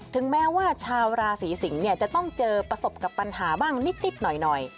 ถึงแม้ว่าชาวราศีสิงศ์จะต้องเจอประสบกับปัญหาบ้างนิดหน่อย